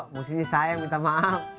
mestinya saya yang minta maaf